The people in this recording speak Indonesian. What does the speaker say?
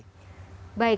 baik terima kasih